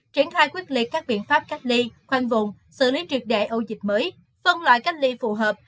triển khai quyết liệt các biện pháp cách ly khoanh vùng xử lý triệt để ô dịch mới phân loại cách ly phù hợp